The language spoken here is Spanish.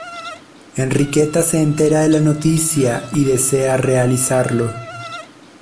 Enriqueta se entera de la noticia y desea realizarlo.